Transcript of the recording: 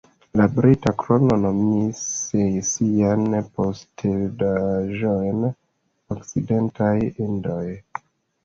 La Brita Krono nomis siajn posedaĵojn Okcidentaj Indioj.